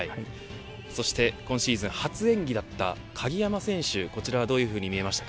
そして今シーズン初演技だった鍵山選手、こちらはどういうふうに見えましたか。